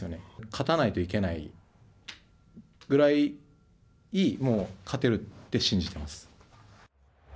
勝たないといけないぐらい勝てるって信じています。